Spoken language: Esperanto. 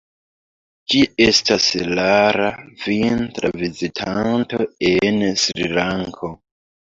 Ĝi estas rara vintra vizitanto en Srilanko.